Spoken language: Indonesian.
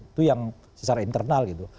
itu yang secara internal gitu